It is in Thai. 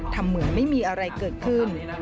ทำเหมือนไม่มีอะไรเกิดขึ้น